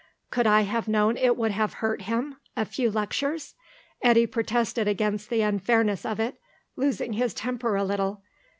"Could I have known it would have hurt him a few lectures?" Eddy protested against the unfairness of it, losing his temper a little.